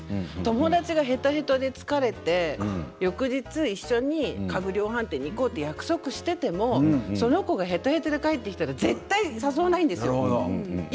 友達が疲れて翌日一緒に家具量販店に行こうと約束していてもその子がへとへとで帰ってきたら絶対に誘わないんですよ。